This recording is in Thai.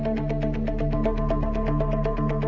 คือมีชุดเติบอยู่ตรงนี้ตลอด